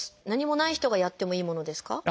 何もない人がやってもいいものですか？